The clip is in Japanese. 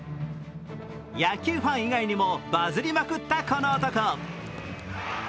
野球ファン以外にもバズりまくったこの男。